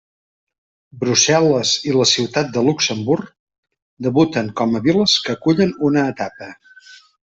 Brussel·les i la Ciutat de Luxemburg debuten com a viles que acullen una etapa.